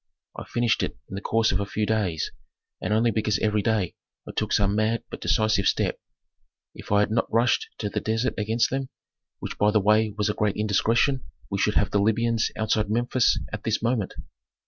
I finished it in the course of a few days, and only because every day I took some mad but decisive step If I had not rushed to the desert against them, which by the way was a great indiscretion, we should have the Libyans outside Memphis at this moment."